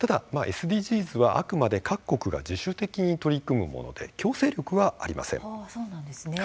ただ、ＳＤＧｓはあくまで各国が自主的に取り組むもので強制力はありません。